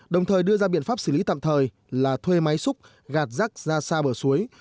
đồng thời đưa ra biện pháp xử lý tạm thời là thuê máy xúc gạt rác ra xa bờ suối